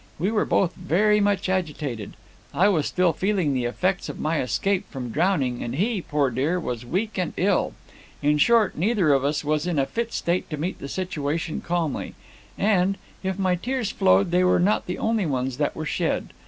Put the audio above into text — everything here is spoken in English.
We were both very much agitated: I was still feeling the effects of my escape from drowning, and he, poor dear, was weak and ill. In short, neither of us was in a fit state to meet the situation calmly; and, if my tears flowed, they were not the only ones that were shed.